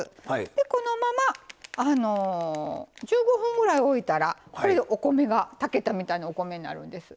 このまま１５分ぐらい置いたらこれでお米が炊けたみたいなお米になるんです。